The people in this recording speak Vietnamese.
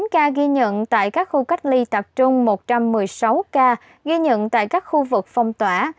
sáu mươi chín ca ghi nhận tại các khu cách ly tạp trung một trăm một mươi sáu ca ghi nhận tại các khu vực phong tỏa